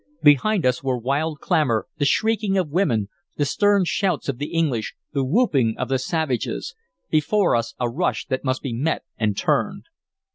Behind us were wild clamor, the shrieking of women, the stern shouts of the English, the whooping of the savages; before us a rush that must be met and turned.